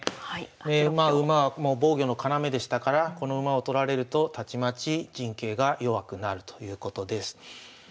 まあ馬はもう防御の要でしたからこの馬を取られるとたちまち陣形が弱くなるということです。